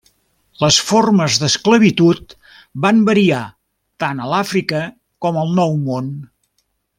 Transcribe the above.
Les formes d'esclavitud van variar tant a l'Àfrica com al Nou Món.